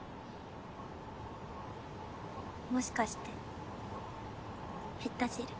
もしかしてめった汁？